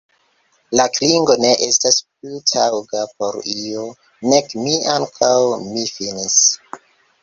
La klingo ne estas plu taŭga por io, nek mi ankaŭ; mi finis.